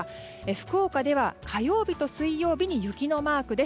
福岡では火曜日と水曜日に雪のマークです。